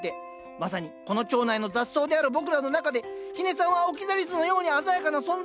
まさにこの町内の雑草である僕らの中で日根さんはオキザリスのように鮮やかな存在なのかなと。